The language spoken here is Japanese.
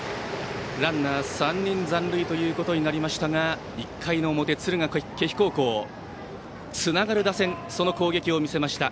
ランナー３人残塁となりましたが１回の表、敦賀気比高校つながる打線その攻撃を見せました。